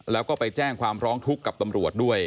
แล้วก็ไปแจ้งความร้องทุกข์กับตำรวจด้วย